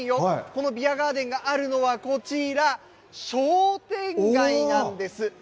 このビアガーデンがあるのはこちら、商店街なんです。